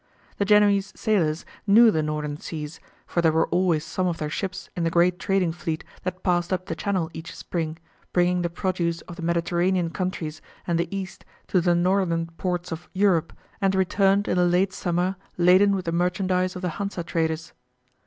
The Genoese sailors knew the northern seas, for there were always some of their ships in the great trading fleet that passed up the Channel each spring, bringing the produce of the Mediterranean countries and the East to the northern ports of Europe, and returned in the late summer laden with the merchandise of the Hansa traders.